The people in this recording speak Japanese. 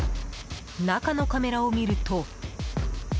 中のカメラを見ると。